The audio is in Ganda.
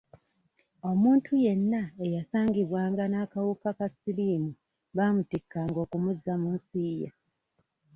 Omuntu yenna eyasangibwanga n'akawuka ka siriimu baamutikkanga okumuzza mu nsi ye.